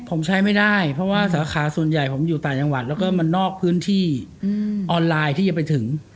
ผมใช้ไม่ได้เพราะว่าสาขาส่วนใหญ่ผมอยู่ต่างจังหวัดแล้วก็มันนอกพื้นที่ออนไลน์ที่จะไปถึง